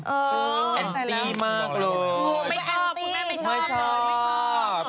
เออแต่ละแอนตี้มากเลยไม่ชอบไม่ชอบไม่ชอบไม่ชอบ